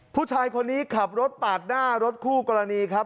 ผู้ชายคนนี้ขับรถปาดหน้ารถคู่กรณีครับ